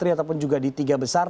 ataupun juga di tiga besar